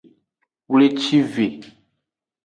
Wlecive.